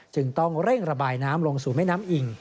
จึงต้องเร่งระบายน้ำลงสู่แม่น้ำอิ่ง